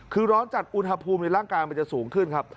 คือร้อนจัดอุณหภูมิในร่างกายมันจะสูงขึ้นครับ